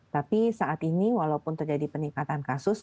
tapi saat ini walaupun terjadi peningkatan kasus